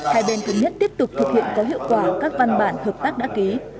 hai bên cùng nhất tiếp tục thực hiện các hiệu quả các văn bản hợp tác đã ký